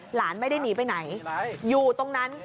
หลานไม่ได้หนีไปไหนอยู่ตรงนั้น